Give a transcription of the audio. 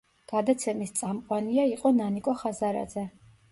გადაცემის წამყვანია იყო ნანიკო ხაზარაძე.